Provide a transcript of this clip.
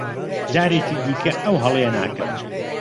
جارێکی دیکە ئەو هەڵەیە ناکەم.